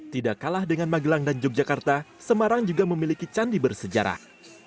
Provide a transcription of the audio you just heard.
tidak kalah dengan magelang dan yogyakarta semarang juga memiliki candi bersejarah